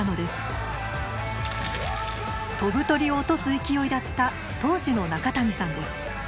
飛ぶ鳥を落とす勢いだった当時の中谷さんです。